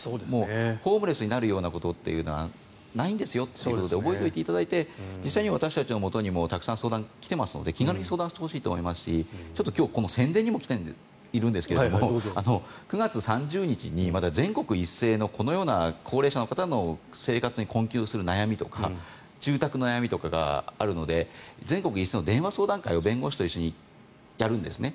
ホームレスになるようなことってないんですよということで覚えておいていただいて実際に私たちのもとにもたくさん、相談が来ていますので気軽に相談してほしいと思いますしちょっと今日は宣伝にも来ているんですけど９月３０日に全国一斉にこのような高齢者の方の生活に困窮する悩みとか住宅の悩みとかがあるので全国一斉の電話相談会を弁護士と一緒にやるんですね。